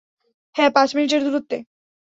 হ্যাঁ, পাঁচ মিনিটের দুরত্বে।